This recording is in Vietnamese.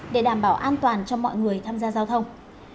để đảm bảo an toàn cho mọi người tham gia giao thông